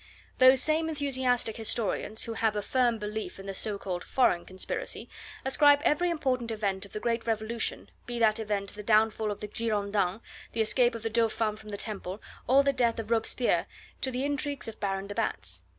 Those same enthusiastic historians, who have a firm belief in the so called "Foreign Conspiracy," ascribe every important event of the Great Revolution be that event the downfall of the Girondins, the escape of the Dauphin from the Temple, or the death of Robespierre to the intrigues of Baron de Batz.